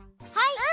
はい！